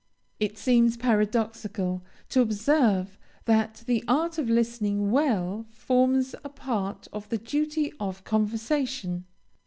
It seems paradoxical to observe that the art of listening well forms a part of the duty of conversation.